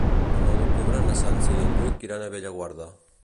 El nou d'octubre na Sança i en Lluc iran a Bellaguarda.